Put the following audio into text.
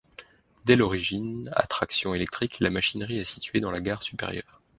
Dès l'origine à traction électrique, la machinerie est située dans la gare supérieure.